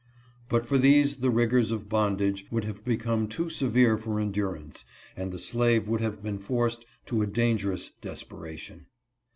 But for these the rigors of bondage would have become too severe for endurance, and the slave would have been forced to a dangerous desperation.